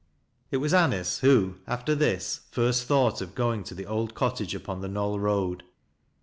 It was Anice who, after this, first thought of going te the old cottage upon the Knoll Eoad.